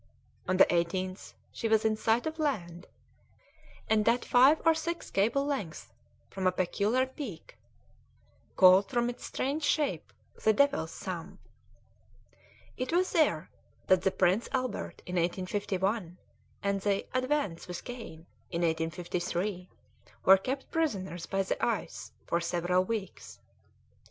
On the 18th she was in sight of land, and at five or six cable lengths from a peculiar peak, called from its strange shape the Devil's Thumb. It was there that the Prince Albert in 1851, and the Advance with Kane, in 1853, were kept prisoners by the ice for several weeks.